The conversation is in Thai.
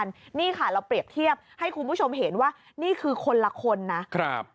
นี่ค่ะเราเปรียบเทียบให้คุณผู้ชมเห็นว่านี่คือคนละคนนะครับ